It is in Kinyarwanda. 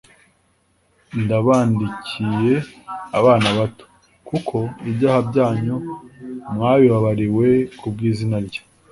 Ndabandikiye bana bato, kuko ibyaha byanyu mwabibabariwe ku bw’izina rye.